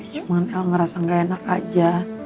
cuman el ngerasa gak enak aja